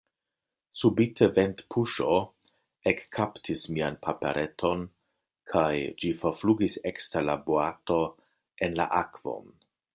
Subite ventpuŝo ekkaptis mian papereton kaj ĝi forflugis ekster la boato en la akvon.